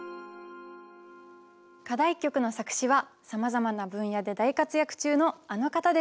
課題曲の作詞はさまざまな分野で大活躍中のあの方です。